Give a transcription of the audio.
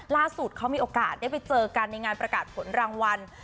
ล่าสุดเขามีโอกาสได้ไปเจอกันในงานประกาศผลรางวัล